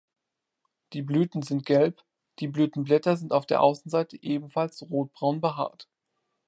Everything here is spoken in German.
Die Blüten sind gelb, die Blütenblätter sind auf der Außenseite ebenfalls rotbraun behaart.